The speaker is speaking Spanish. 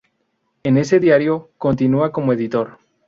En ese diario, continúa como editor.